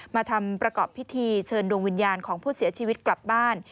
มาทำประกอบพิธีเชิญดวงวิญญาณของผู้เสียชีวิตกลับบ้าน